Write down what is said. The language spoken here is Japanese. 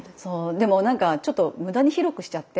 でもなんかちょっと無駄に広くしちゃって。